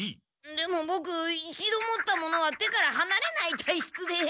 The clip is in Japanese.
でもボク一度持ったものは手からはなれない体しつで。